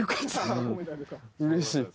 うれしい。